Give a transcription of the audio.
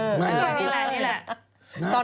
ใช่แหละ